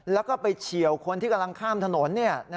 แล้วก็ไปเฉียวคนที่กำลังข้ามถนน